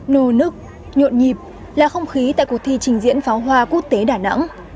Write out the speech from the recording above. nù nức nhộn nhịp là không khí tại cuộc thi trình diễn pháo hoa quốc tế đà nẵng